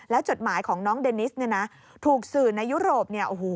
และจดหมายของน้องเดนิสถูกสื่อในยุโรป